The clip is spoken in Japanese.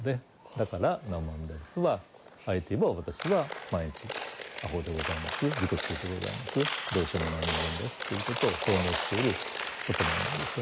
だから南無阿弥陀仏はあえて言えば私は毎日アホでございます自己中でございますどうしようもない人間ですということを表明している言葉なんですよね。